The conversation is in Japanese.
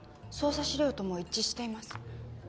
捜査資料とも一致しています。